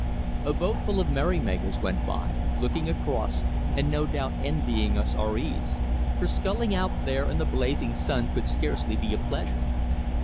A boatful of merrymakers went by, looking across, and no doubt envying us our ease, for sculling out there in the blazing sun could scarcely be a pleasure.